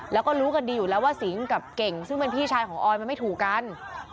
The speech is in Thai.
แล้วก็รู้กันดีอยู่แล้วว่าสิงกับเก่งซึ่งเป็นพี่ชายของออยมันไม่ถูกกัน